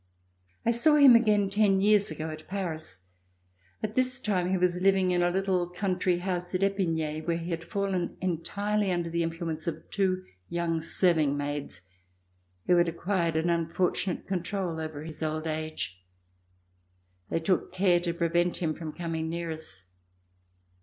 I saw him again ten years ago at Paris. At this time he was living in a little country house at £pinay where he had fallen entirely under the influence of two young serving maids who had acquired an unfortunate control over his old age. They took care to prevent him from coming near us.